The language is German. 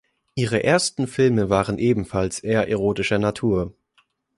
Ihre ersten Filme waren ebenfalls eher erotischer Natur.